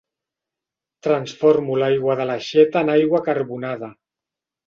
Transformo l'aigua de l'aixeta en aigua carbonada.